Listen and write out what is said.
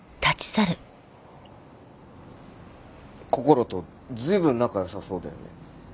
こころと随分仲良さそうだよね。